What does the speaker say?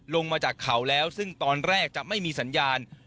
ลงมาจากเขาแล้วซึ่งตอนแรกจะไม่มีสัญญาณ